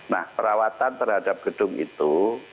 nah perawatan terhadap gedung itu